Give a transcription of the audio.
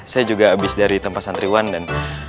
saya juga abis dari tempat santriwan dan